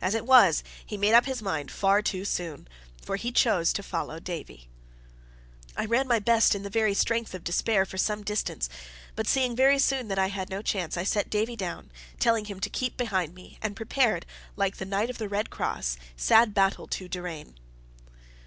As it was, he made up his mind far too soon, for he chose to follow Davie. I ran my best in the very strength of despair for some distance, but, seeing very soon that I had no chance, I set Davie down, telling him to keep behind me, and prepared, like the Knight of the Red Cross, "sad battle to darrayne".